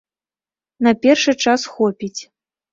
На першы час хопіць.